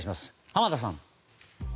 濱田さん。